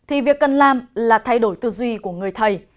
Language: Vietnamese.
thì việc cần làm là thay đổi tư duy của người thầy